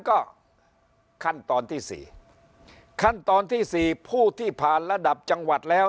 ก็ขั้นตอนที่สี่ขั้นตอนที่สี่ผู้ที่ผ่านระดับจังหวัดแล้ว